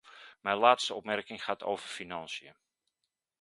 Mijn laatste opmerking gaat over financiën.